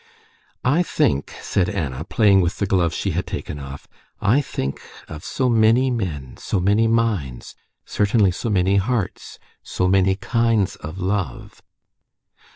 "I think," said Anna, playing with the glove she had taken off, "I think ... of so many men, so many minds, certainly so many hearts, so many kinds of love."